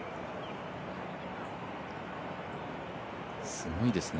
すごいですね。